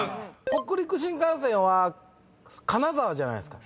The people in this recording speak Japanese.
北陸新幹線は「金沢」じゃないですか？